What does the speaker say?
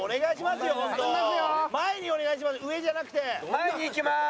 前に行きまーす。